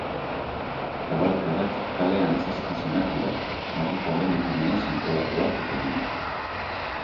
Kabalkadak kale antzezkizunak dira, herritarren ekimenez antolatuak eta eginak.